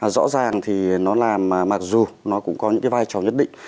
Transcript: rõ ràng nó làm mặc dù nó cũng có những vai trò nhất định